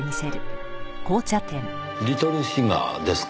リトルシガーですか。